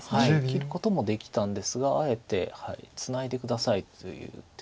切ることもできたんですがあえて「ツナいで下さい」という手です。